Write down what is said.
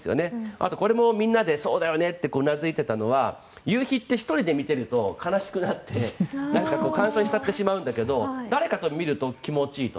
あとこれもみんなでそうだよねってうなずいていたのは夕日って１人で見てると悲しくなって感傷に浸ってしまうんだけど誰かと見ると気持ちいいと。